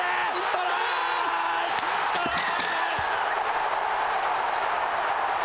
トライ！